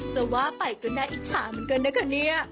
จะว่าไปก็น่าอิจฉาเหมือนกันนะคะเนี่ย